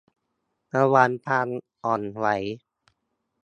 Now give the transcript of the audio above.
ระวังความอ่อนไหว